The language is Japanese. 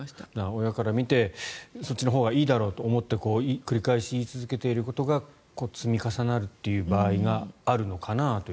親から見てそっちのほうがいいだろうと思って繰り返し言い続けていることが積み重なる場合があるのかなと。